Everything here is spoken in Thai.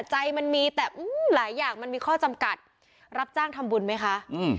ใจมันมีแต่หลายอย่างมันมีข้อจำกัดรับจ้างทำบุญไหมคะ